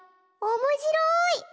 おもしろい！